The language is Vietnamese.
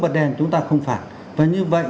bật đèn chúng ta không phạt và như vậy